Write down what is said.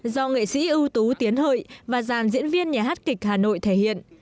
do nghệ sĩ ưu tú tiến hợi và giàn diễn viên nhà hát kịch hà nội thể hiện